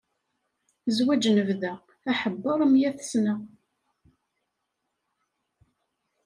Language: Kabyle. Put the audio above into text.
Zwaǧ n bda, aḥebbeṛ meyyat sna.